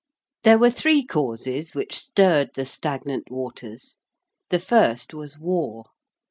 There were three causes which stirred the stagnant waters. The first was War.